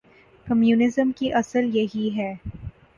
Communism کی اصل یہی ہے۔